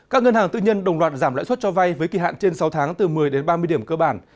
các ngân hàng tư nhân đồng loạt giảm lãi suất cho vay với kỳ hạn trên sáu tháng từ một mươi đến ba mươi điểm cơ bản